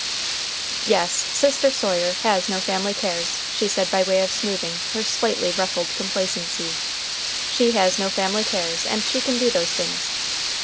"Yes, Sister Sawyer has no family cares," she said by way of smoothing her slightly ruffled complacency, "she has no family cares, and she can do those things.